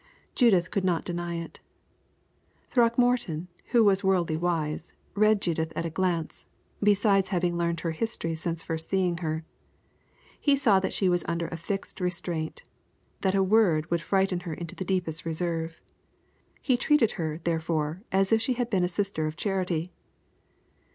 Judith could not deny it. Throckmorton, who was worldly wise, read Judith at a glance, besides having learned her history since first seeing her. He saw that she was under a fixed restraint, and that a word would frighten her into the deepest reserve. He treated her, therefore, as if she had been a Sister of Charity.